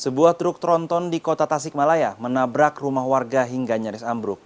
sebuah truk tronton di kota tasikmalaya menabrak rumah warga hingga nyaris ambruk